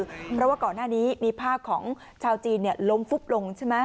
เพราะว่าก่อนหน้านี้มีภาพของชาวจีนล้มฟุบลงใช่ไหม